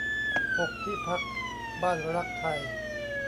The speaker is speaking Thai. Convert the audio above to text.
หก ที่พักบ้านรักไทย